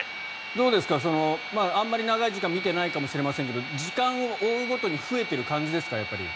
どうですかあまり長い時間見ていないかもしれませんが時間を追うごとに増えている感じですか？